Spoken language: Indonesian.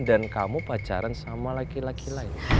dan kamu pacaran sama laki laki lain